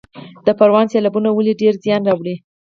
د پروان سیلابونو ولې ډیر زیان واړوه؟